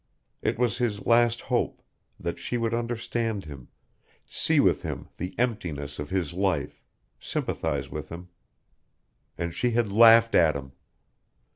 It was his last hope that she would understand him, see with him the emptiness of his life, sympathize with him. And she had laughed at him!